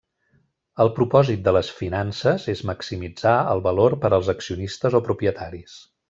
El propòsit de les finances és maximitzar el valor per als accionistes o propietaris.